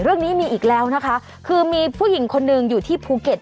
เรื่องนี้มีอีกแล้วนะคะคือมีผู้หญิงคนหนึ่งอยู่ที่ภูเก็ต